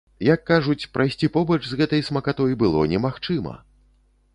Як кажуць, прайсці побач з гэтай смакатой было немагчыма!